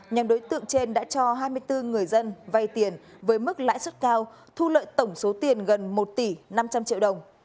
nhóm đối tượng trên đã cho hai mươi bốn người dân vay tiền với mức lãi suất cao thu lợi tổng số tiền gần một tỷ năm trăm linh triệu đồng